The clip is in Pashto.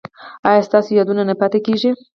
ایا ستاسو یادونه نه پاتې کیږي؟